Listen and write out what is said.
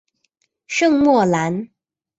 圣莫兰。